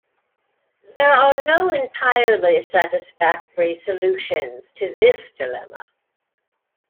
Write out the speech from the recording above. There are no entirely satisfactory solutions to this dilemma.